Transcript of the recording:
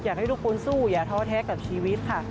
อยากให้ทุกคนสู้อย่าท้อแท้กับชีวิตค่ะ